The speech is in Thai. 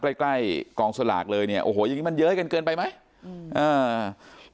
ใกล้ใกล้กองสลากเลยเนี่ยโอ้โหอย่างงี้มันเย้ยกันเกินไปไหมอืมอ่า